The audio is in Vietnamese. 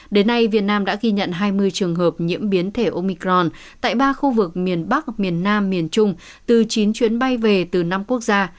đến nay việt nam đã ghi nhận hai mươi trường hợp nhiễm biến thể omicron tại ba khu vực miền bắc miền nam miền trung từ chín chuyến bay về từ năm quốc gia